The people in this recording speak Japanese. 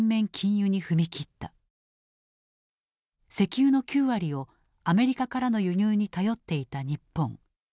石油の９割をアメリカからの輸入に頼っていた日本。